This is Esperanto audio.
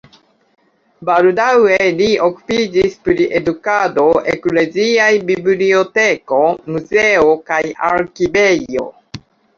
Baldaŭe li okupiĝis pri edukado, ekleziaj biblioteko, muzeo kaj arkivejo.